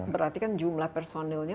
berarti kan jumlah personelnya